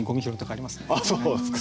あっそうですか。